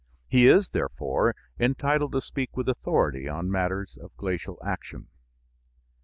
He is, therefore, entitled to speak with authority on matters of glacial action.